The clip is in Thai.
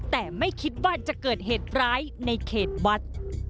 แต่ไม่คิดว่าจะเกิดเหตุร้ายในเขตวัด